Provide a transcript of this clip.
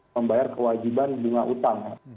membayar kewajiban jumlah utang